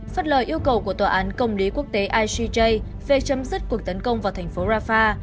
phát lời yêu cầu của tòa án công lý quốc tế icj về chấm dứt cuộc tấn công vào thành phố rafah